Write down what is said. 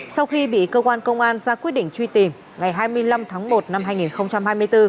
sau khi bị cơ quan công an ra quyết định truy tìm ngày hai mươi năm tháng một năm hai nghìn hai mươi bốn